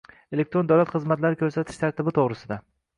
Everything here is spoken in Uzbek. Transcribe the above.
elektron davlat xizmatlari ko‘rsatish tartibi to‘g‘risida